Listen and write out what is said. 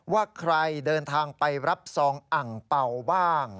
ว่าใครเดินทางไปรับซองอังเป่าบ้าง